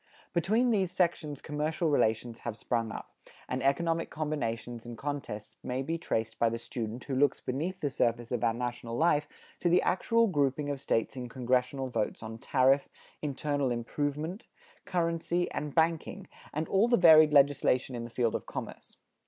Between these sections commercial relations have sprung up, and economic combinations and contests may be traced by the student who looks beneath the surface of our national life to the actual grouping of States in congressional votes on tariff, internal improvement, currency and banking, and all the varied legislation in the field of commerce.